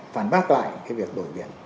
phản bác lại cái việc đổi biển